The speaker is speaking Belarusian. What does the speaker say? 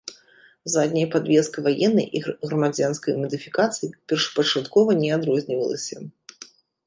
Задняя падвеска ваеннай і грамадзянскай мадыфікацый першапачаткова не адрознівалася.